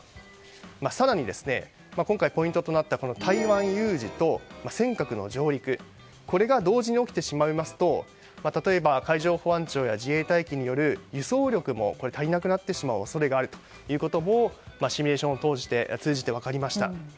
更に、今回ポイントとなった台湾有事と尖閣の上陸が同時に起きてしまいますと例えば、海上保安庁や自衛隊機による輸送力も足りなくなってしまう恐れがあるということもシミュレーションを通じて分かりました。